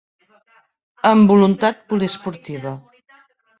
Amb voluntat poliesportiva.